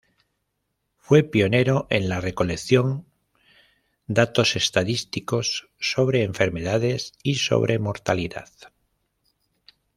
Fue pionero en la recolección datos estadísticos sobre enfermedades y sobre mortalidad.